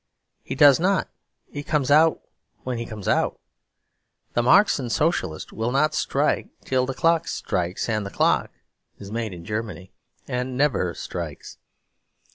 He does not; he comes out when he comes out. The Marxian Socialist will not strike till the clock strikes; and the clock is made in Germany, and never strikes.